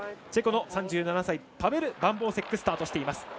チェコの３７歳パベル・バンボウセックスタートしています。